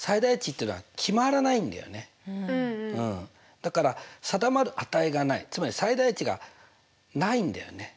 だから定まる値がないつまり最大値がないんだよね。